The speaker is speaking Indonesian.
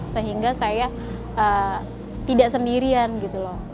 sehingga saya tidak sendirian gitu loh